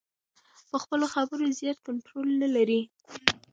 پر خپلو خبرو زیات کنټرول نلري.